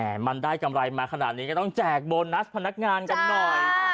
มันได้กำไรมาขนาดนี้ก็ต้องแจกโบนัสพนักงานกันหน่อย